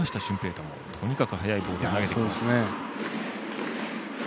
大もとにかく速いボールを投げてきます。